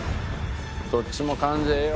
どっちも感じええよ。